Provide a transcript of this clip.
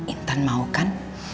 intan mau kan